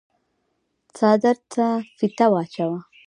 څادر ته فيته واچوه۔